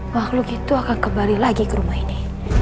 makhluk itu akan kembali lagi ke rumah ini